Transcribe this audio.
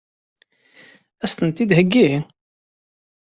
Ad sent-tent-id-iheggi?